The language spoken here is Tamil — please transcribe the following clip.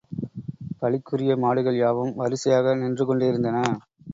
பலிக்குரிய மாடுகள் யாவும் வரிசையாக நின்றுகொண்டிருந்தன.